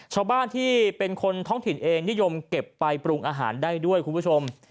ชาวบ้านที่เป็นคนท้องถิ่นเองนิยมเก็บไปปรุงอาหารได้ด้วยคุณผู้ชม